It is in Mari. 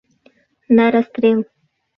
На расстрел!